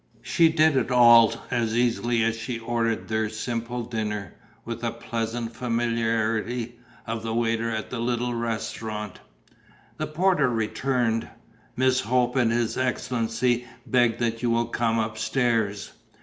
She did it all as easily as she ordered their simple dinner, with a pleasant familiarity, of the waiter at their little restaurant. The porter returned: "Miss Hope and his excellency beg that you will come upstairs."